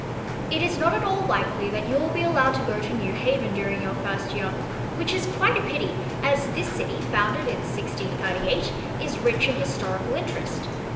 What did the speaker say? It is not at all likely that you will be allowed to go to New Haven during your first year, which is quite a pity, as this city, founded in 1638, is rich in historical interest.